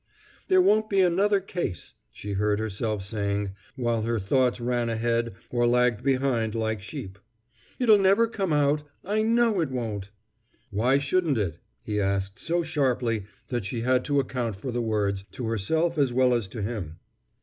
"There won't be another case," she heard herself saying, while her thoughts ran ahead or lagged behind like sheep. "It'll never come out I know it won't." "Why shouldn't it?" he asked so sharply that she had to account for the words, to herself as well as to him.